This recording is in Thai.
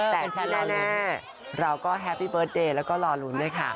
แต่ที่แน่เราก็แฮปปี้เบิร์ตเดย์แล้วก็รอลุ้นด้วยค่ะ